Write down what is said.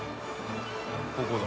ここだ。